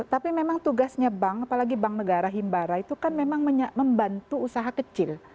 tapi memang tugasnya bank apalagi bank negara himbara itu kan memang membantu usaha kecil